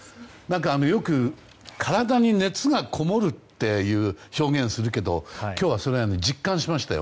よく体に熱がこもるって表現するけど今日は、それを実感しました。